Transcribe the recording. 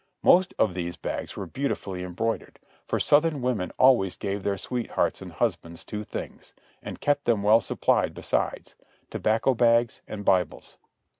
Most of these bags were beautifully embroidered, for Southern women always gave their sweethearts and husbands two things, and kept them well supplied besides; tobacco bags and Bibles.